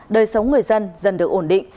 đời sống người dân dần được ổn định